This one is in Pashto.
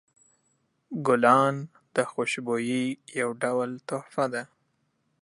ګلان د خوشبویۍ یو ډول تحفه ده.